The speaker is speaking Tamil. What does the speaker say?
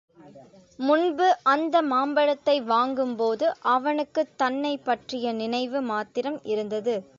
முன்பு அந்த மாம்பழத்தை வாங்கும்போது அவனுக்குத் தன்னைப் பற்றிய நினைவு மாத்திரம் இருந்தது.